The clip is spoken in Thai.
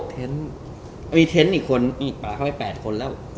เทนต์อีกคนอีกประมาณเข้าไป๘คนแล้ว